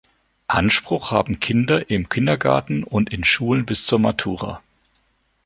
Anspruch haben Kinder im Kindergarten und in Schulen bis zur Matura.